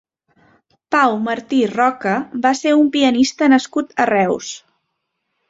Pau Martí Roca va ser un pianista nascut a Reus.